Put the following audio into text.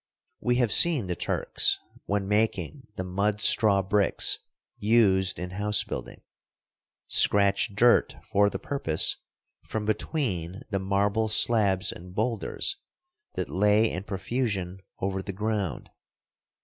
We have seen the Turks, when making the mud straw bricks used in house building, scratch dirt for the purpose from between the marble slabs and boulders that lay in profusion over the ground.